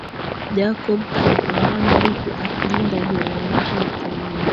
Jacob alipambana huku akilinda jeraha lake mkononi